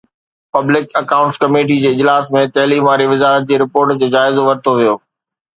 public accounts committee جي اجلاس ۾ تعليم واري وزارت جي رپورٽ جو جائزو ورتو ويو